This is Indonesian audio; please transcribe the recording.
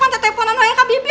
pancet teleponan raya kak bibi